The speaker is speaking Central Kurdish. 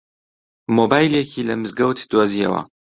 مۆبایلێکی لە مزگەوت دۆزییەوە.